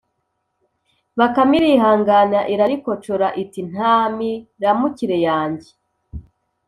Bakame irihangana irarikocora iti Nta miramukire yanjye